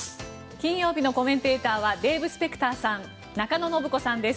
金曜日のコメンテーターはデーブ・スペクターさん中野信子さんです。